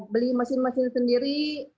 beli mesin mesin sendiri